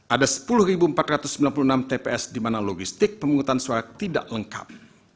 ada sepuluh empat ratus sembilan puluh enam tps di mana logistik penghutang suara tidak lengkap